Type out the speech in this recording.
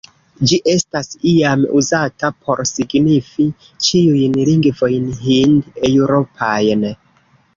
Ĝi estas iam uzata por signifi ĉiujn lingvojn hind-eŭropajn.